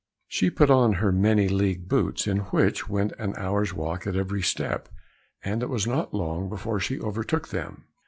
She put on her many league boots, in which went an hour's walk at every step, and it was not long before she overtook them.